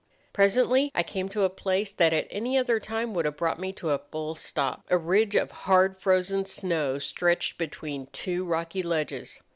"Presently I came to a place that at any other time would have brought me to a full stop. A ridge of hard frozen snow stretched between two rocky ledges.